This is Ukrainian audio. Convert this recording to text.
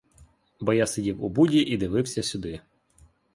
Бо я сидів у буді і дивився сюди.